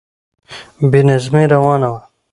بې نظمی روانه وه.